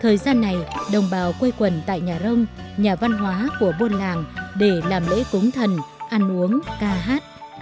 thời gian này đồng bào quây quần tại nhà rông nhà văn hóa của buôn làng để làm lễ cúng thần ăn uống ca hát